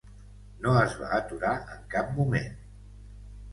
No es va aturar en cap moment.